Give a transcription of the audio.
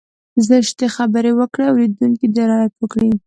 زشتې خبرې وکړي اورېدونکی دې رعايت وکړي.